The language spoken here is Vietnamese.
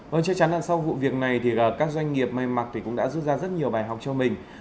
vâng chắc chắn là sau vụ việc này thì các doanh nghiệp may mặc cũng đã rút ra rất nhiều bài học cho mình